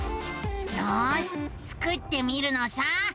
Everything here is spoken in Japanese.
よしスクってみるのさ。